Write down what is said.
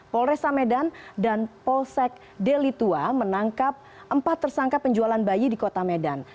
polresa medan dan polsek delitua menangkap empat tersangka penjualan bayi di kota medan